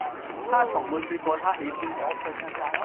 他從沒說過他喜歡我